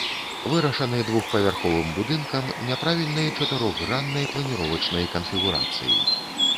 Вырашаны двухпавярховым будынкам няправільнай чатырохграннай планіровачнай канфігурацыі.